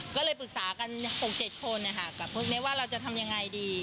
ก็เลยปรึกษากัน๖๗คนกับพวกนี้ว่าเราจะทำยังไงดี